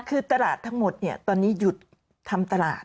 คือตลาดทั้งหมดเนี่ยตอนนี้หยุดทำตลาด